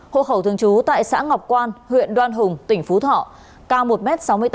hộ khẩu thường trú tại xã ngọc quan huyện đoan hùng tỉnh phú thọ cao một m sáu mươi tám